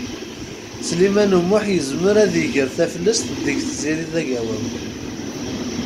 Sliman U Muḥ yezmer ad iger taflest deg Tiziri Tagawawt.